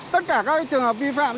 tất cả các trường hợp vi phạm